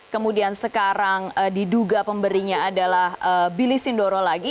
kemudian sekarang diduga pemberinya adalah billy sindoro lagi